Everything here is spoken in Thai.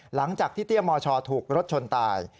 หลังจากที่เตี้ยมชถูกรถชนตาย